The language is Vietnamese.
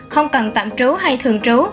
không cần tạm trú hay thường trú